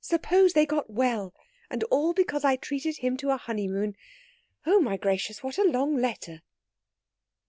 Suppose they got well, and all because I treated him to a honeymoon! Oh, my gracious, what a long letter!"